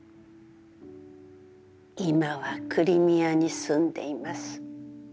今はクリミアに住んでいます